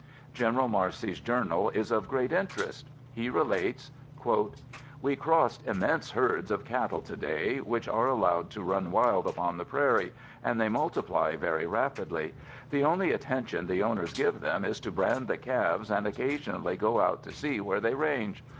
General Marcy's journal is of great interest. He relates: "We crossed immense herds of cattle today, which are allowed to run wild upon the prairies, and they multiply very rapidly. The only attention the owners give them is to brand the calves and occasionally go out to see where they range.